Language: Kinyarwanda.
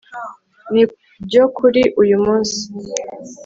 nibyo kuri uyu munsi